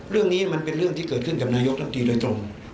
เรื่องนี้มันเป็นเรื่องที่เกิดขึ้นกับนายกรัฐมนตรีโดยตรง